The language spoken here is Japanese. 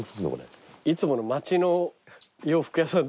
いつもの町の洋服屋さんとは。